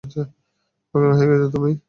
পাগল হয়ে গেছো তুমি?